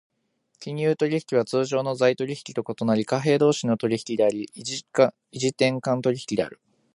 金融取引は通常の財取引と異なり、貨幣同士の取引であり、異時点間取引である。